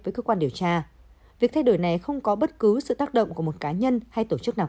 với cơ quan điều tra việc thay đổi này không có bất cứ sự tác động của một cá nhân hay tổ chức nào